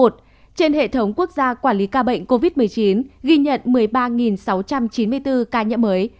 trên hệ thống quốc gia quản lý ca bệnh covid một mươi chín ghi nhận một mươi ba sáu trăm chín mươi bốn ca nhiễm mới